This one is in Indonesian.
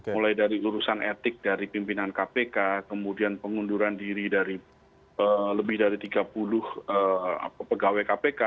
mulai dari urusan etik dari pimpinan kpk kemudian pengunduran diri dari lebih dari tiga puluh pegawai kpk